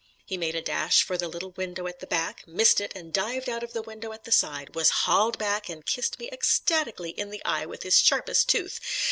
He made a dash for the little window at the back; missed it and dived out of the window at the side, was hauled back and kissed me ecstatically in the eye with his sharpest tooth....